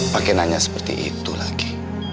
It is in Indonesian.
pakai nanya seperti itu lagi